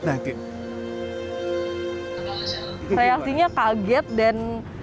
saya aslinya kaget dan